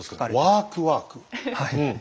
はい。